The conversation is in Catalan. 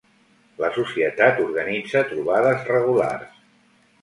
La Societat organitza trobades regulars.